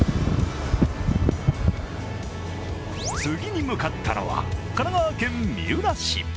次に向かったのは、神奈川県三浦市。